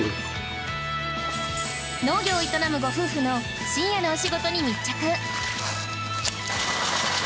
農業を営むご夫婦の深夜のお仕事に密着